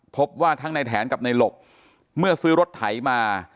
พบว่าทั้งในแถนกับในหลบเมื่อซื้อรถไถมา